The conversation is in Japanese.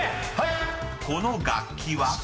［この楽器は？］